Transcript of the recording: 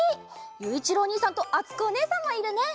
ゆういちろうおにいさんとあつこおねえさんもいるね。